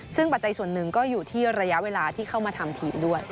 ซึ่งปัจจัยส่วนหนึ่งก็อยู่ที่ระยะเวลาที่เข้ามาทำทีมด้วย